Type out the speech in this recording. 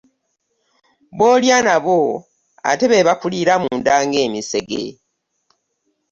B'olya nabo ate be bakuliira munda ng'emisege.